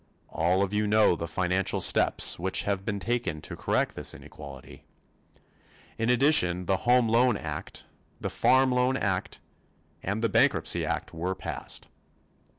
All of you know the financial steps which have been taken to correct this inequality. In addition the Home Loan Act, the Farm Loan Act and the Bankruptcy Act were passed.